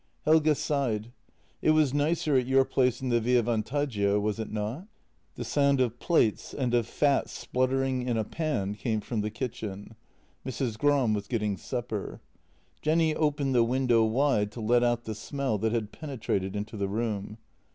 Helge sighed: " It was nicer at your place in the Via Van taggio, was it not? " The sound of plates and of fat spluttering in a pan came from the kitchen. Mrs. Gram was getting supper. Jenny opened the window wide to let out the smell that had penetrated into the room.